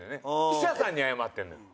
記者さんに謝ってるのよ。